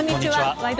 「ワイド！